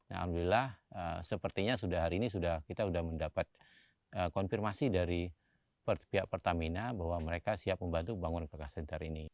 alhamdulillah sepertinya sudah hari ini sudah kita sudah mendapat konfirmasi dari pihak pertamina bahwa mereka siap membantu bangun coca center ini